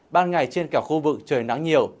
ban ngày trên cả khu vực trời nắng nhiều